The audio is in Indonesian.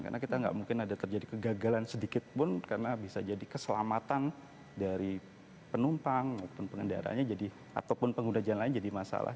karena tidak mungkin ada terjadi kegagalan sedikit pun karena bisa jadi keselamatan dari penumpang ataupun pengguna jalan lain jadi masalah